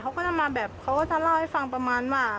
เขาก็จะมาแบบเขาก็จะเล่าให้ฟังประมาณว่า